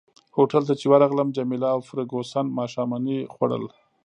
هوټل ته چي ورغلم جميله او فرګوسن ماښامنۍ خوړل.